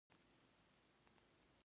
کاکړ د دیني عالمانو عزت کوي.